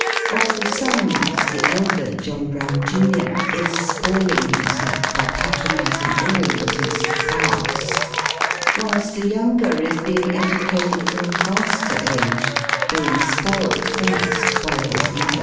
Of the sons, the elder, John Brown, jun., is spoiling himself by patronising all that is "fast;" whilst the younger is being educated for a faster age, being spoilt first by his mother.